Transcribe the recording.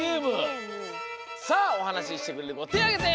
さあおはなししてくれるこてあげて！